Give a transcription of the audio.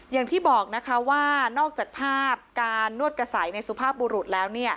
อย่างที่บอกนะคะว่านอกจากภาพการนวดกระใสในสุภาพบุรุษแล้ว